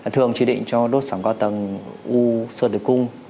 thường chỉ định cho đốt sòng cao tầng u sơ tử cung